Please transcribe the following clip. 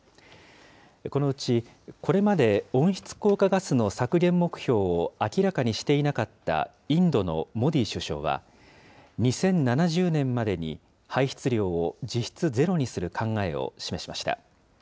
このうち、これまで温室効果ガスの削減目標を明らかにしていなかったインドのモディ首相は、２０７０年までに排出量を実質ゼロにする考えを示しました。